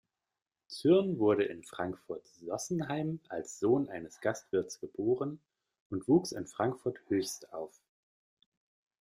Zürn wurde in Frankfurt-Sossenheim als Sohn eines Gastwirts geboren und wuchs in Frankfurt-Höchst auf.